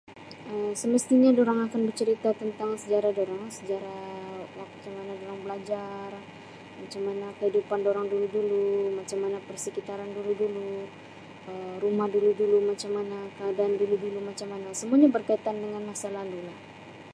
Um Semestinya dorang akan bercerita tentang sejarah dorang sejarah waktu mana dorang belajar macam mana kehidupan dorang dulu-dulu macam mana persekitaran dulu-dulu Um rumah dulu-dulu macam mana keadaan dulu dulu macam mana semuanya berkaitan dengan masa lalu lah.